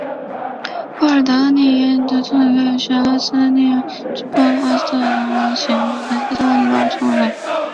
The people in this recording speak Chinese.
波尔德涅沃耶村委员会是俄罗斯联邦阿斯特拉罕州卡梅贾克区所属的一个村委员会。